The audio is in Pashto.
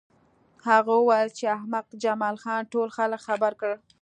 هغه وویل چې احمق جمال خان ټول خلک خبر کړل